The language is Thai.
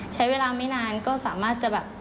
ใช้เวลาไม่นานก็สามารถจะแบบ